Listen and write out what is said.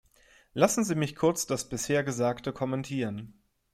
Lassen Sie mich kurz das bisher gesagte kommentieren.